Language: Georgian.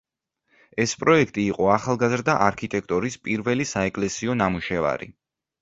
ეს პროექტი იყო ახალგაზრდა არქიტექტორის პირველი საეკლესიო ნამუშევარი.